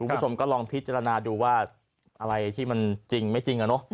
คุณผู้ชมก็ลองพิจารณาดูว่าอะไรที่มันจริงไม่จริงอะเนาะ